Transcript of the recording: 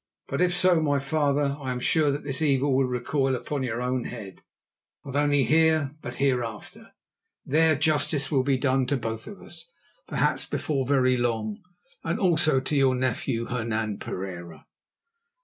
But if so, my father, I am sure that this evil will recoil upon your own head, not only here, but hereafter. There justice will be done to both of us, perhaps before very long, and also to your nephew, Hernan Pereira."